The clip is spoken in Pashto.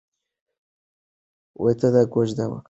ته دا کوژده وکړه.